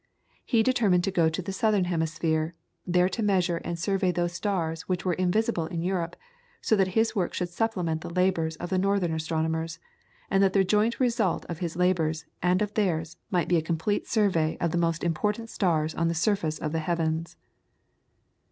He determined to go to the southern hemisphere, there to measure and survey those stars which were invisible in Europe, so that his work should supplement the labours of the northern astronomers, and that the joint result of his labours and of theirs might be a complete survey of the most important stars on the surface of the heavens.